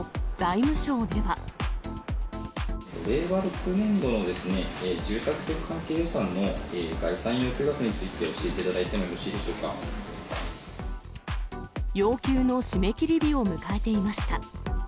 令和６年度のですね、住宅関係予算の概算要求額について、教えていただいてもよろしい要求の締め切り日を迎えていました。